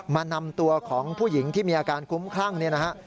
มานำตัวของผู้หญิงที่มีอาการคุ้มคลั่งเนี่ยนะฮะ